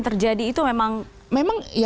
terjadi itu memang